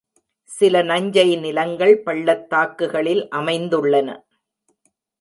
சில நஞ்சை நிலங்கள் பள்ளத்தாக்குகளில் அமைந்துள்ளன.